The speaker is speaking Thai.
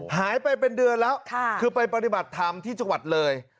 หายไปเป็นเดือนแล้วคือไปปฏิบัติธรรมที่จังหวัดเลย